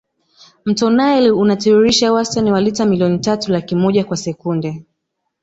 mto nile unatiririsha wastani wa lita milioni tatu laki moja kwa sekunde